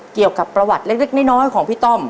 เกี่ยวกับประวัติเล็กน้อยของพี่ต้อม